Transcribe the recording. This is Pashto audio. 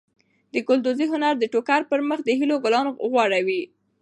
د ګلدوزۍ هنر د ټوکر پر مخ د هیلو ګلان غوړوي.